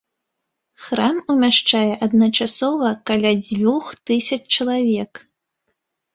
Храм умяшчае адначасова каля дзвюх тысяч чалавек.